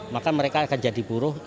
maka mereka akan jadi buruh